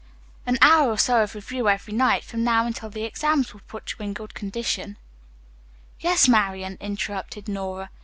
An hour or so of review every night from now until the exams, would put you in good condition." "Yes, Marian," interrupted Nora.